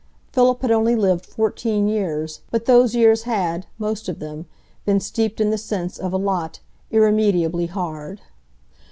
Philip had only lived fourteen years, but those years had, most of them, been steeped in the sense of a lot irremediably hard.